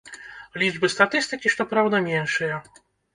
Лічбы статыстыкі, што праўда, меншыя.